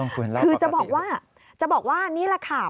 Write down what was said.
คือจะบอกว่านี่แหละค่ะ